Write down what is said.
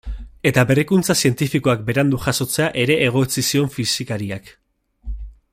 Eta berrikuntza zientifikoak berandu jasotzea ere egotzi zion fisikariak.